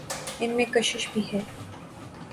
ان میں کشش بھی ہے۔